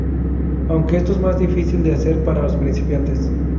Aunque esto es más difícil de hacer para los principiantes.